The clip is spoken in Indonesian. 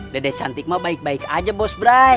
dedeh cantik mah baik baik aja bos brai